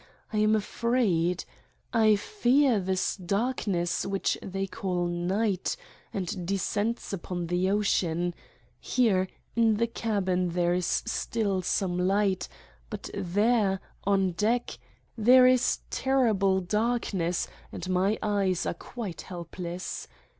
I am afraid ! I fear this darkness which they call night and descends upon the ocean: here, in the cabin there is still some light, but there, on deck, there is terrible darkness, and My eyes are 10 Satan's Diary quite helpless.